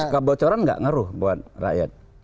jadi kebocoran nggak ngaruh buat rakyat